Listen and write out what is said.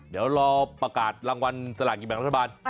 เดี๋ยวรอประกาศรางวัลสลากินแบ่งรัฐบาล